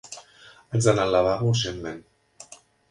Haig d'anar al lavabo urgentment.